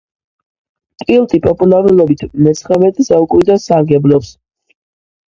კილტი პოპულარობით მეცხრამეტე საუკუნიდან სარგებლობს.